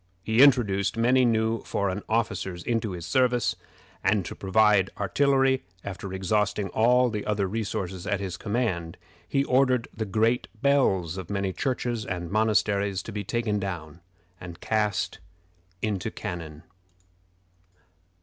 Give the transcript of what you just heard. He introduced many new foreign officers into his service; and to provide artillery, after exhausting all the other resources at his command, he ordered the great bells of many churches and monasteries to be taken down and cast into cannon.